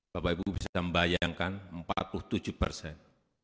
bapak ibu bisa membayangkan empat puluh tujuh persen